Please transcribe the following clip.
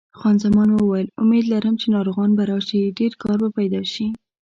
خان زمان وویل: امید لرم چې ناروغان به راشي، ډېر کار به پیدا شي.